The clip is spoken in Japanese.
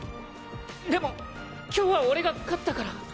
でも今日は俺が勝ったから。